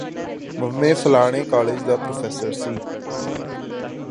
ਮਮੈਂ ਫਲਾਣੇ ਕਾਲਜ ਦਾ ਪ੍ਰੋਫੈਸਰ ਸੀ